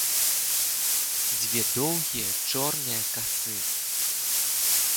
Дзве доўгія чорныя касы.